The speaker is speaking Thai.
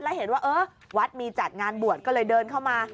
แล้วเห็นว่าเออวัดมีจัดงานบวชก็เลยเดินเข้ามา